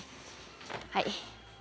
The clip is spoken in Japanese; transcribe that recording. はい。